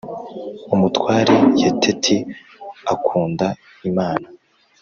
Umutware Yeteti akunda imana.